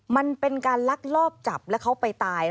มันเป็นการลักลอบจับแล้วเขาไปตาย